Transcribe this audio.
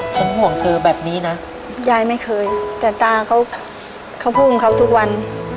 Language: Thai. ฉันห่วงเธอแบบนี้นะยายไม่เคยแต่ตาเขาภูมิเขาทุกวัน